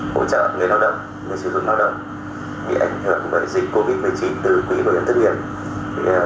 hỗ trợ người lao động người sử dụng lao động bị ảnh hưởng bởi dịch covid một mươi chín từ quỹ bảo hiểm thất nghiệp